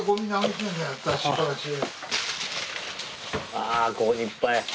あぁここにいっぱい。